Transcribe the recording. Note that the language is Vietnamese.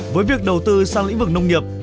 với việc đầu tư sang lĩnh vực nông nghiệp